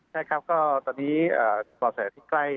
ใช่ครับก็ตอนนี้บ่อแสที่ใกล้